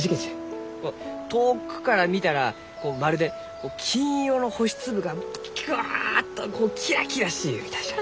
遠くから見たらまるで金色の星粒がぐわっとキラキラしゆうみたいじゃ。